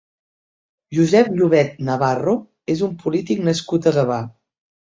Josep Llobet Navarro és un polític nascut a Gavà.